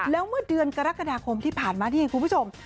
แล้วเมื่อเดือนกรกฎาคมที่ผ่านมานี่เองคุณผู้ชม